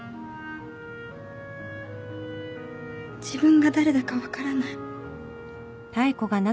自分が誰だか分からない